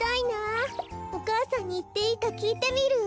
お母さんにいっていいかきいてみる。